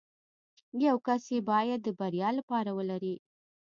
يو کس يې بايد د بريا لپاره ولري.